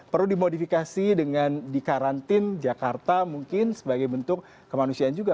perlu dimodifikasi dengan dikarantin jakarta mungkin sebagai bentuk kemanusiaan juga